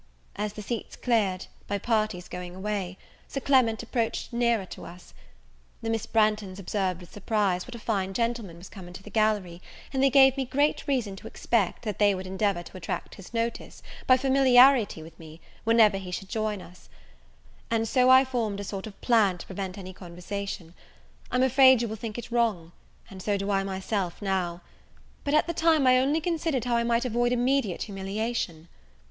As the seats cleared, by parties going away, Sir Clement approached nearer to us. The Miss Branghtons observed with surprise, what a fine gentleman was come into the gallery; and they gave me great reason to expect, that they would endeavour to attract his notice, by familiarity with me, whenever he should join us; and so I formed a sort of plan to prevent any conversation. I'm afraid you will think it wrong; and so I do myself now; but, at the time, I only considered how I might avoid immediate humiliation.